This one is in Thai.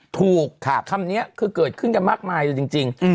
ถูกคำนี้คือเกิดขึ้นกันมากมายเลยจริง